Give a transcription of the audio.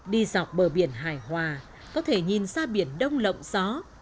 đi dọc bờ biển hải hòa có thể nhìn ra biển đông lộng gió